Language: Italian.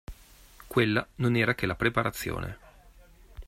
Quella non era che la preparazione!